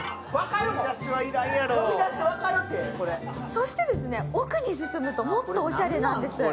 そしてですね、奥に進むともっとおしゃれなんです。